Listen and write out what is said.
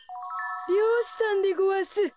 りようしさんでごわす。